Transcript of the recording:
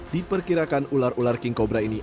diperkirakan ular ular king cobra ini